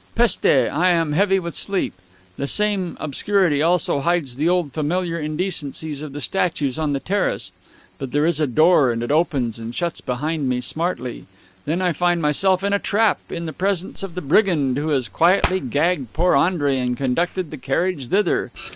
PESTE! I am heavy with sleep. The same obscurity also hides the old familiar indecencies of the statues on the terrace; but there is a door, and it opens and shuts behind me smartly. Then I find myself in a trap, in the presence of the brigand who has quietly gagged poor Andre and conducted the carriage thither.